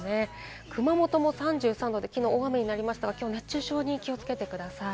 熊本も３３度で、きのう大雨になりましたが今日、熱中症に気をつけてください。